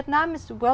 tôi có thể